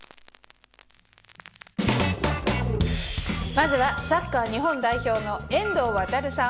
まずはサッカー日本代表の遠藤航さん